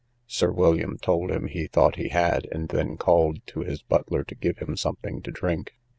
Sir William told him he thought he had; and then called to his butler to give him something to drink.